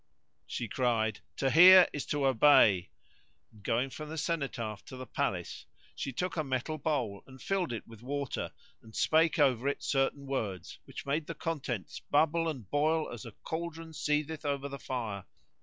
She cried, "To hear is to obey;" and, going from the cenotaph to the palace, she took a metal bowl and filled it with water and spake over it certain words which made the contents bubble and boil as a cauldron seetheth over the fire.